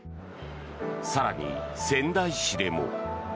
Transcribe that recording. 更に仙台市でも。